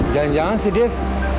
jangan jangan sih dev